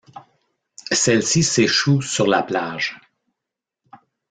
Celles-ci s'échouent sur la plage.